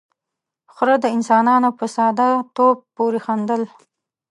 ، خره د انسانانو په ساده توب پورې خندل.